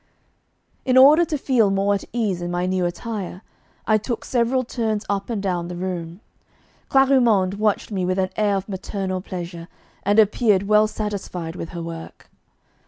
In order to feel more at ease in my new attire, I took several turns up and down the room. Clari monde watched me with an air of maternal pleasure, and appeared well satisfied with her work.